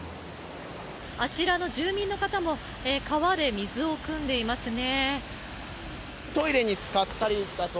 あちらの住民の方も川で水をくんでいますね。